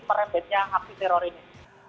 perempetnya hapi teror ini